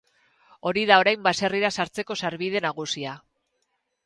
Hori da orain baserrira sartzeko sarbide nagusia.